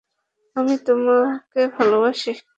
আমি তোমাকে ভালবাসি?